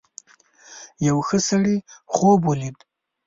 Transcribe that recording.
یو ښه سړي خوب ولید.